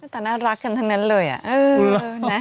แต่น่ารักกันทั้งนั้นเลยอะ